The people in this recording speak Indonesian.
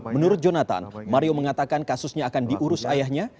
menurut jonathan mario mengatakan kasusnya akan diurus ayahnya